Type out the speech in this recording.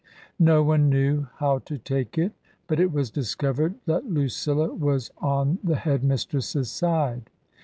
No one knew how to take it ; but it was discovered that Lucilla was on the Head mistress's side.